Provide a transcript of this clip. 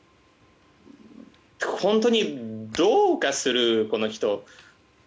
本当にどうかしてる、この人。